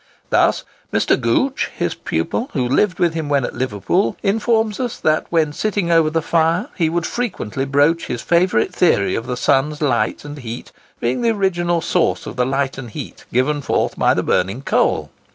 Thus Mr. Gooch, his pupil, who lived with him when at Liverpool, informs us that when sitting over the fire, he would frequently broach his favourite theory of the sun's light and heat being the original source of the light and heat given forth by the burning coal.